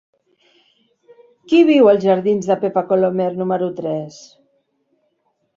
Qui viu als jardins de Pepa Colomer número tres?